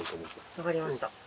分かりました。